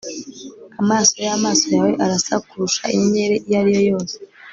amaso yamaso yawe arasa kurusha inyenyeri iyo ari yo yose